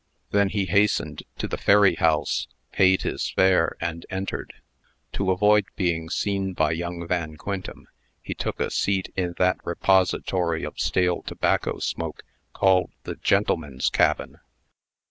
Then he hastened to the ferry house, paid his fare, and entered. To avoid being seen by young Van Quintem, he took a seat in that repository of stale tobacco smoke called the "Gentlemen's Cabin."